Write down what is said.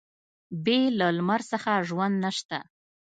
بې له لمر څخه ژوند نشته.